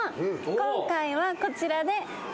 今回はこちらで。